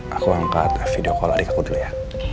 aku angkat video call adik aku dulu ya